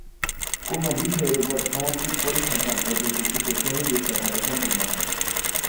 কোন বিষয়ের উপর সামগ্রিক পরিসংখ্যান পদ্ধতি কিছু সুনির্দিষ্ট ধাপে সম্পন্ন হয়।